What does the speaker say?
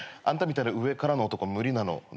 あんたみたいな上からの男無理なの。